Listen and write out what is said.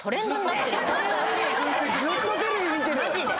ずっとテレビ見てる！